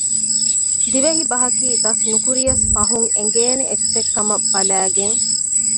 ދިވެހިބަހަކީ ދަސްނުކުރިޔަސް ފަހުން އެނގޭނެ އެއްޗެއްކަމަށް ބަލައިގެން